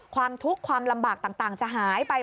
ความทุกข์ความลำบากต่างจะหายไป